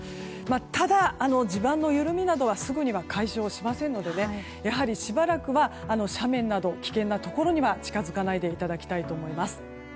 ただ、地盤の緩みなどはすぐには解消しませんのでやはりしばらくは斜面など危険なところには近づかないでいただきたいと思います。